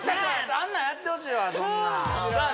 あんなんやってほしいわさあ